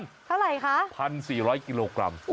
เท่าไหร่คะ๑๔๐๐กิโลกรัม